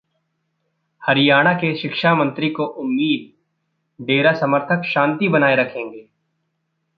हरियाणा के शिक्षा मंत्री को उम्मीद- डेरा समर्थक शांति बनाए रखेंगे